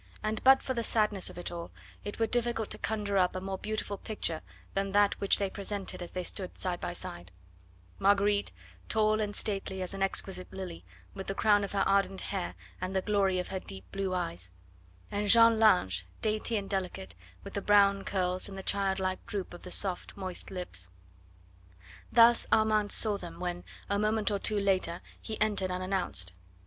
And but for the sadness of it all it were difficult to conjure up a more beautiful picture than that which they presented as they stood side by side; Marguerite, tall and stately as an exquisite lily, with the crown of her ardent hair and the glory of her deep blue eyes, and Jeanne Lange, dainty and delicate, with the brown curls and the child like droop of the soft, moist lips. Thus Armand saw them when, a moment or two later, he entered unannounced.